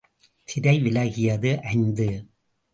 திரை விலகியது ஐந்து.